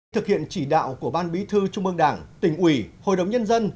thực hiện chỉ đạo của ban bí thư trung ương đảng tỉnh ủy hội đồng nhân dân